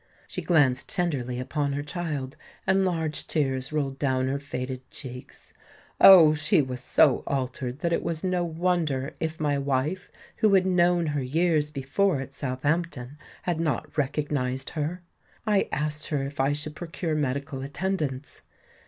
She glanced tenderly upon her child, and large tears rolled down her faded cheeks. Oh! she was so altered that it was no wonder if my wife, who had known her years before at Southampton, had not recognized her! I asked her if I should procure medical attendance.